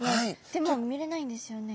でも見れないんですよね？